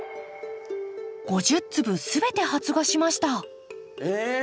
５０粒全て発芽しましたえっ！